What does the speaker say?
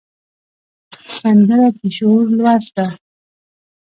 سندره د شعور لوست ده